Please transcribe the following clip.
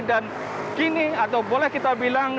dan kini atau boleh kita bilang